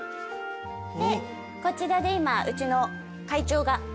でこちらで今うちの会長が。